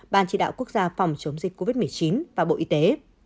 ban chỉ đạo quốc gia phòng chống dịch covid một mươi chín và bộ y tế